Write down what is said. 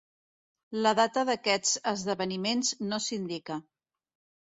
La data d'aquests esdeveniments no s'indica.